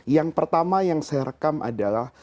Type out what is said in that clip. yang pertama yang saya rekam adalah